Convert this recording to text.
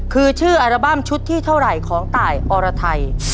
คือชื่ออัลบั้มชุดที่เท่าไหร่ของตายอรไทย